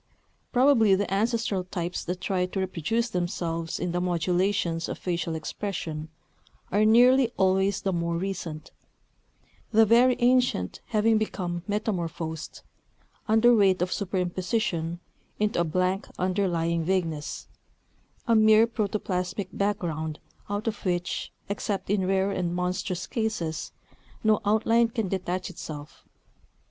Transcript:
Probably the ancestral types that try to reproduce themselves in the modulations of facial expression, are nearly always the more recent; the very ancient having become metamorphosed, under weight of superimposition, into a blank underlying vagueness, a mere protoplasmic background out of which, except in rare and monstrous cases, no outline can detach itself.